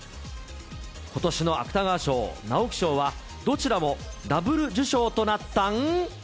ことしの芥川賞・直木賞は、どちらもダブル受賞となったん。